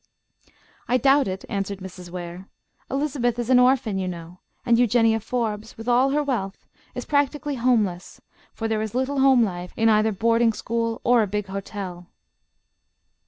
"I doubt it," answered Mrs. Ware. "Elizabeth is an orphan, you know, and Eugenia Forbes, with all her wealth, is practically homeless, for there is little home life in either a boarding school or a big hotel."